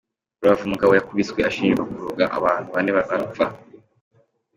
Rubavu umugabo Yakubiswe ashinjwa kuroga abantu bane barapfa